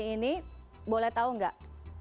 ini boleh tahu enggak